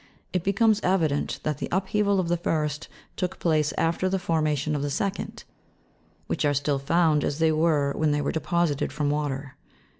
304), it be comes evident that the upheaval of the first took place after the formation of the second, which are still found as they were when deposited from p ^Q^ water.